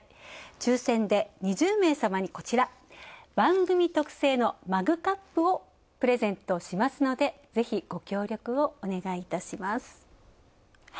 抽選で２０名さまにこちら、番組特製のマグカップをプレゼントしますのでぜひ、ご協力をお願いいたします。